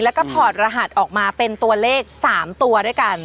แล้วก็ถอดรหัสออกมาเป็นตัวเลข๓ตัวด้วยกัน